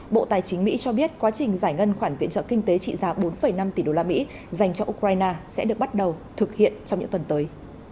bộ tài chính mỹ cho biết quá trình giải ngân khoản viện trợ kinh tế trị giá bốn năm tỷ đô la mỹ dành cho ukraine sẽ được bắt đầu thực hiện trong những tuần tới